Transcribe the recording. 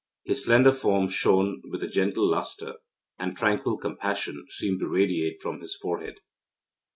His slender form shone with a gentle lustre, and tranquil compassion seemed to radiate from his forehead.